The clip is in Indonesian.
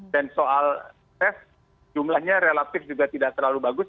dan soal tes jumlahnya relatif juga tidak terlalu bagus